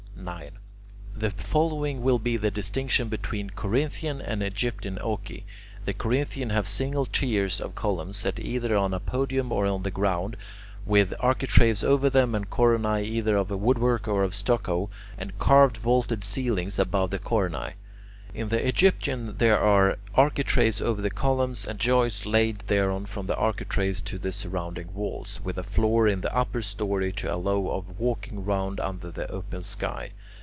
9. The following will be the distinction between Corinthian and Egyptian oeci: the Corinthian have single tiers of columns, set either on a podium or on the ground, with architraves over them and coronae either of woodwork or of stucco, and carved vaulted ceilings above the coronae. In the Egyptian there are architraves over the columns, and joists laid thereon from the architraves to the surrounding walls, with a floor in the upper story to allow of walking round under the open sky.